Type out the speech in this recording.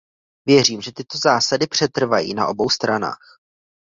Věřím, že tyto zásady přetrvají na obou stranách.